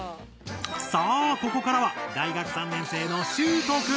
さあここからは大学３年生のしゅうと君！